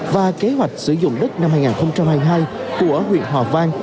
và kế hoạch sử dụng đất năm hai nghìn hai mươi hai của huyện hòa vang